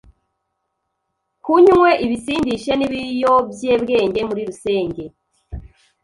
kunywe ibisindishe n’ibiyobyebwenge muri rusenge,